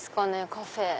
カフェ。